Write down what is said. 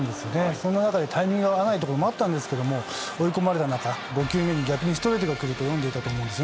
その中でタイミングが合わないところもあったんですが追い込まれた中５球目に逆にストレートが来ると読んでいたと思います。